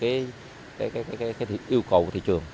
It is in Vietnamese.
yêu cầu của thị trường